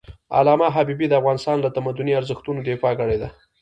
علامه حبيبي د افغانستان له تمدني ارزښتونو دفاع کړی ده.